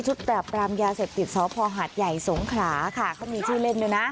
ปราบรามยาเสพติดสพหาดใหญ่สงขลาค่ะเขามีชื่อเล่นด้วยนะ